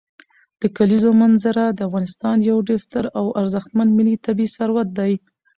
د کلیزو منظره د افغانستان یو ډېر ستر او ارزښتمن ملي طبعي ثروت دی.